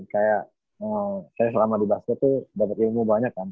saya selama di basket tuh dapet ilmu banyak kan